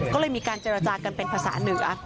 ก็เลยมีการเจรจากันเป็นภาษาเหนือ